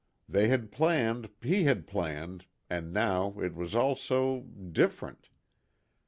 They had planned, he had planned, and now it was all so different.